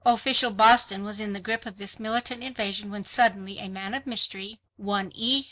Official Boston was in the grip of this militant invasion when suddenly a man of mystery, one E.